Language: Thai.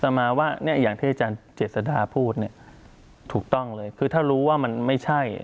สำหรับว่าอย่างที่อาจารย์เจษฎาพูดถูกต้องเลยคือถ้ารู้ว่ามันไม่ใช่